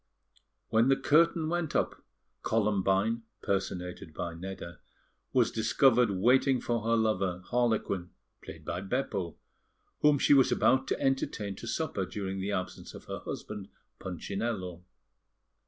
When the curtain went up Columbine (personated by Nedda) was discovered waiting for her lover, Harlequin (played by Beppo), whom she was about to entertain to supper during the absence of her husband, Punchinello.